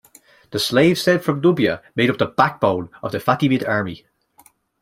The slaves sent from Nubia made up the backbone of the Fatimid army.